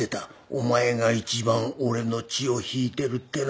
お前が一番俺の血を引いてるってな